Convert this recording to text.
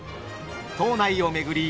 島内を巡り